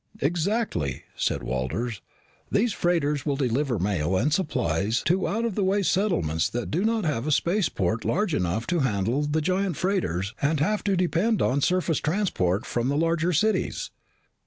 "Exactly," said Walters. "These freighters will deliver mail and supplies to out of the way settlements that do not have a spaceport large enough to handle the giant freighters and have to depend on surface transport from the larger cities."